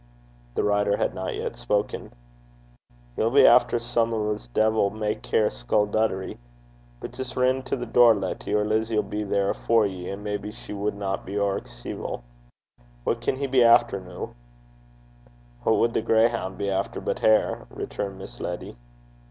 The rider had not yet spoken. 'He'll be efter some o' 's deevil ma' care sculduddery. But jist rin to the door, Letty, or Lizzy 'll be there afore ye, and maybe she wadna be ower ceevil. What can he be efter noo?' 'What wad the grew (grayhound) be efter but maukin (hare)?' returned Miss Letty.